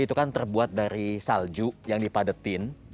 itu kan terbuat dari salju yang dipadetin